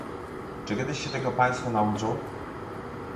Czy kiedyś się tego państwo nauczą?